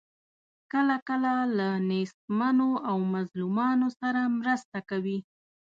کله کله له نیستمنو او مظلومانو سره مرسته کوي.